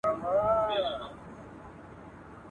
دښت مو زرغون کلی سمسور وو اوس به وي او کنه.